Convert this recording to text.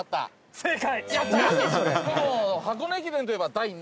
正解。